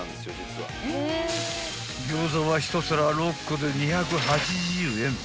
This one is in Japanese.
［餃子は１皿６個で２８０円］